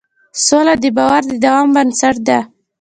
سوله د باور د دوام بنسټ ده.